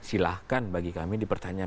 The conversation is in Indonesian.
silahkan bagi kami dipertanyakan